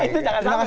itu jangan sampai